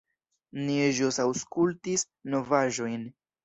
Ni ĵus aŭskultis novaĵojn.